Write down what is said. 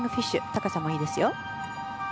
高さもいいですよ。